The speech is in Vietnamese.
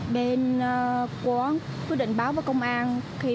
bên quán tôi định báo với công an